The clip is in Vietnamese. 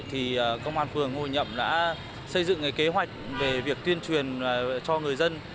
thì công an phường ngôi nhậm đã xây dựng cái kế hoạch về việc tuyên truyền cho người dân